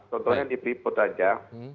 contohnya di pripot saja